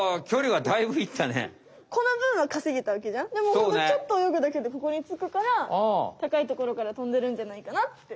ホントちょっとおよぐだけでここにつくから高いところからとんでるんじゃないかなって。